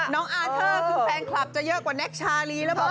น้องอาร์เทอร์คือแฟนคลับจะเยอะกว่าแน็กชาลีแล้วมาก